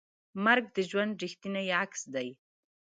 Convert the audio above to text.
مرګ د ژوند ریښتینی عکس دی.